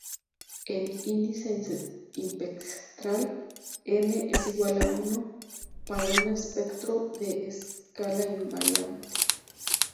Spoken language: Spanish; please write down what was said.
El "índice espectral", "n" es igual a uno para un espectro de escala invariante.